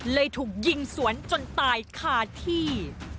ถูกยิงสวนจนตายคาที่